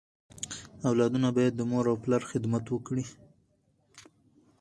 اولادونه بايد د مور او پلار خدمت وکړي.